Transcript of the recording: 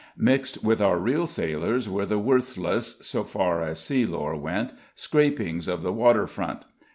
Mixed with our real sailors were the worthless (so far as sea lore went) scrapings of the waterfront.